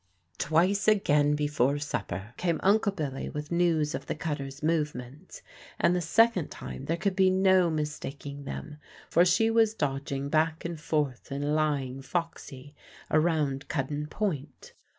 Twice again before supper came Uncle Billy with news of the cutter's movements, and the second time there could be no mistaking them, for she was dodging back and forth and lying foxy around Cuddan Point.